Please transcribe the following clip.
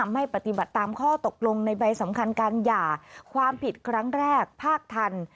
ไม่ปฏิบัติตามข้อตกลงในใบสำคัญการหย่าความผิดครั้งแรกภาคทัน